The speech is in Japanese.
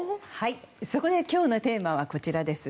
そこで今日のテーマはこちらです。